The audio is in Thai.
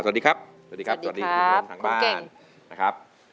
สวัสดีครับสวัสดีครับสวัสดีครับคุณเก่งสวัสดีครับทุกคนทางบ้าน